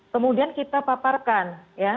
kemudian kita paparkan ya